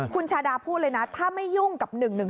คุณชาดาพูดเลยนะถ้าไม่ยุ่งกับ๑๑๒